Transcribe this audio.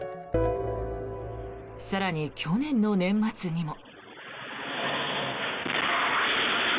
更に去年の年末にも。